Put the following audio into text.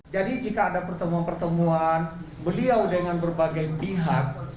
jadi jika ada pertemuan pertemuan beliau dengan berbagai pihak